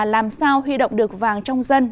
làm sao huy động được vàng trong dân